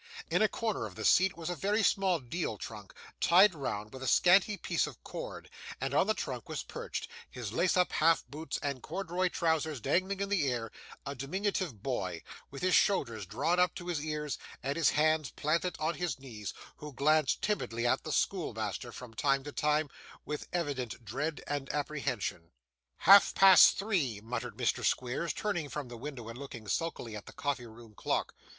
In a corner of the seat, was a very small deal trunk, tied round with a scanty piece of cord; and on the trunk was perched his lace up half boots and corduroy trousers dangling in the air a diminutive boy, with his shoulders drawn up to his ears, and his hands planted on his knees, who glanced timidly at the schoolmaster, from time to time, with evident dread and apprehension. 'Half past three,' muttered Mr. Squeers, turning from the window, and looking sulkily at the coffee room clock.